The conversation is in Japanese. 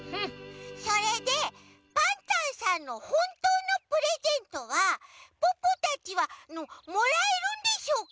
それでパンタンさんのほんとうのプレゼントはポッポたちはもらえるんでしょうか？